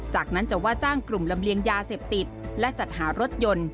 จากนั้นจะว่าจ้างกลุ่มลำเลียงยาเสพติดและจัดหารถยนต์